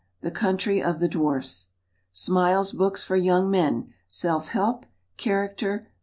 The Country of the Dwarfs. Smiles's Books for Young Men: SELF HELP. CHARACTER.